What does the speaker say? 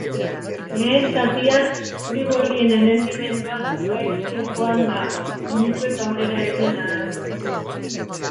Lehen zatian, zuri-gorrien errendimendua jaisten joan da, minutuek aurrera egin ahala.